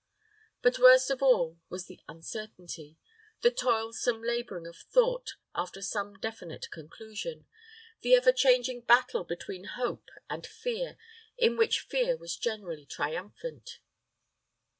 But worst of all was the uncertainty, the toilsome laboring of thought after some definite conclusion the ever changing battle between hope and fear, in which fear was generally triumphant.